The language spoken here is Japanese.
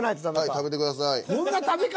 はい食べてください。